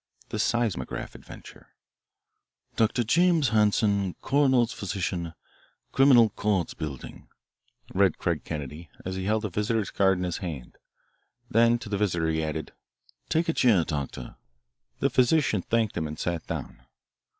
V. The Seismograph Adventure "Dr. James Hanson, Coroner's Physician, Criminal Courts Building," read Craig Kennedy, as he held a visitor's card in his hand. Then to the visitor he added, "Take a chair, Doctor." The physician thanked him and sat down.